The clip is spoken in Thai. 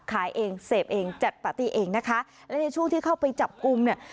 และในช่วงที่เข้าไปจับกุมเนี่ย